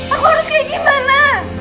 aku harus kayak gimana